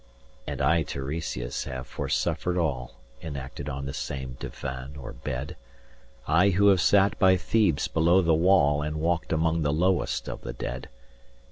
(And I Tiresias have foresuffered all Enacted on this same divan or bed; I who have sat by Thebes below the wall 245 And walked among the lowest of the dead.)